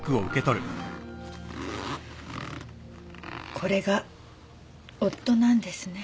これが夫なんですね。